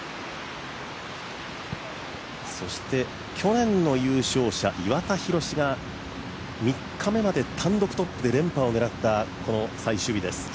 そして、去年の優勝者・岩田寛が３日目まで単独トップで連覇を狙った最終日です。